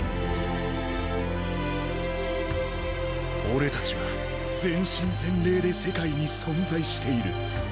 俺たちは全身全霊で世界に存在している。